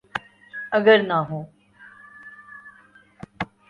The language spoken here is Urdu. اگر نہ ہوں۔